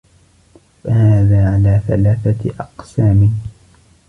فَهَذَا عَلَى ثَلَاثَةِ أَقْسَامٍ